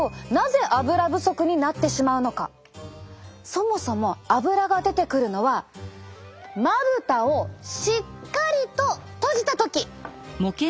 そもそもアブラが出てくるのはまぶたをしっかりと閉じた時。